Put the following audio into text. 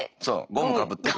ゴムかぶってる。